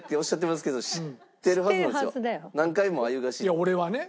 いや俺はね。